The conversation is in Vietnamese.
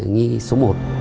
nhi số một